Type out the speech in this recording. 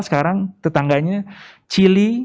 sekarang tetangganya chile